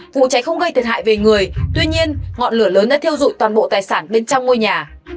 vụ cháy không gây thiệt hại về người tuy nhiên ngọn lửa lớn đã thiêu dụi toàn bộ tài sản bên trong ngôi nhà